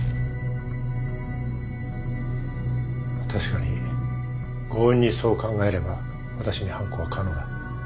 まあ確かに強引にそう考えれば私に犯行は可能だ。